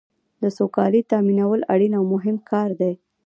د سوکالۍ تامینول اړین او مهم کار دی.